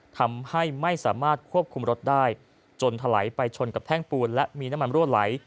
ทำให้ไม่สามารถควบคุมรถได้จนถลายไปชนกับแท่งปูนและมีน้ำมันรั่วไหล